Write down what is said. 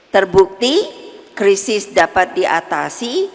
terbukti krisis dapat diatasi